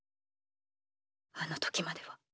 あの時までは。